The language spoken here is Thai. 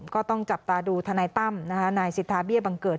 ก็ต้องจับตาดูทนายตั้มนายสิทธาเบี้ยบังเกิด